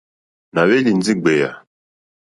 Nà hwélì ndí ɡbèyà.